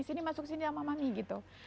sini masuk sini sama manggi gitu